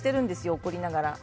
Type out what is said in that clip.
怒りながら。